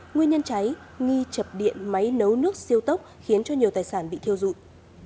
nguyên nhân cháy nghi chập điện máy nấu nước siêu tốc khiến cho nhiều tài sản bị thiêu dụi